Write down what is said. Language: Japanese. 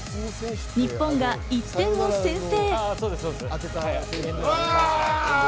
日本が１点を先制。